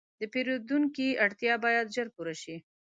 د پیرودونکي اړتیا باید ژر پوره شي.